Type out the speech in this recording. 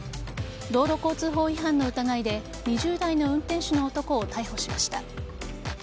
道路交通法違反の疑いで２０代の運転手の男を逮捕しました。